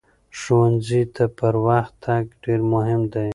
ښوونځي ته پر وخت تګ ډېر مهم دی.